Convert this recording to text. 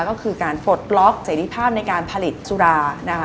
ก็คือการปลดล็อกเสร็จภาพในการผลิตสุรานะคะ